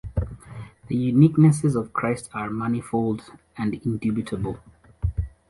The uniquenesses of Christ are manifold and indubitable.